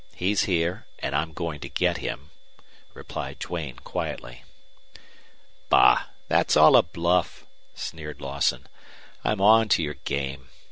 He's here, and I'm going to get him," replied Duane, quietly. "Bah! That's all a bluff," sneered Lawson. "I'm on to your game.